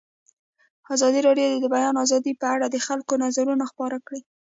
ازادي راډیو د د بیان آزادي په اړه د خلکو نظرونه خپاره کړي.